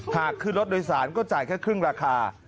หากขึ้นรถโดยสารก็จ่ายแค่ครึ่งราคา